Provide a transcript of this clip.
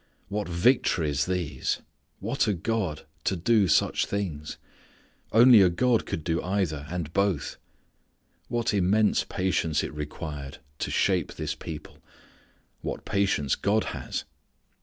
What victories these! What a God to do such things! Only a God could do either and both! What immense patience it required to shape this people. What patience God has.